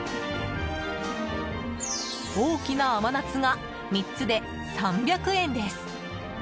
大きな甘夏が３つで３００円です。